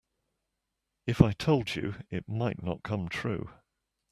If I told you it might not come true.